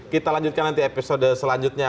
kita lanjutkan nanti episode selanjutnya